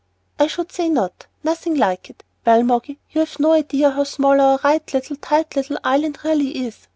"I should say not, nothing like it. Why Moggy, you've no idea how small our 'right little, tight little island' really is.